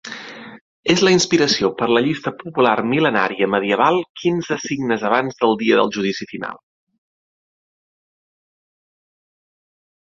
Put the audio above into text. És la inspiració per la llista popular mil·lenària medieval Quinze signes abans del dia del judici final.